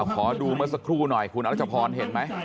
ขอดูมาสักครู่หน่อยคุณอาจภรเห็นไหม